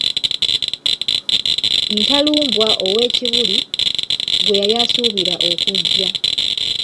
Ntalumbwa ow'e Kibuli, gwe yali asuubira okujja.